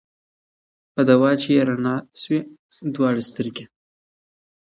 په دوا چي یې رڼا سوې دواړي سترګي